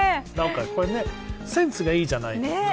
センスがいいじゃないですか。